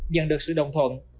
nhận được sự đồng thuận